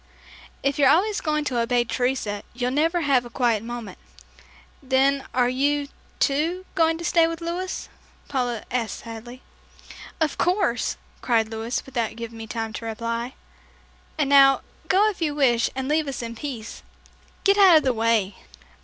"If you're always going to obey Teresa, you'll never have a quiet moment." "Then are you, too, going to stay with Louis?" Paula asked sadly. "Of course," cried Louis, without giving me time to reply. "And now, go if you wish and leave us in peace. Get out of the way!"